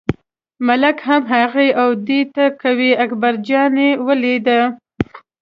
ملک هم هغې او دې ته کوي، اکبرجان یې ولیده.